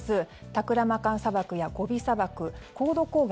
タクラマカン砂漠やゴビ砂漠黄土高原